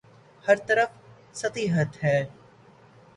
ہر طرف سطحیت ہے۔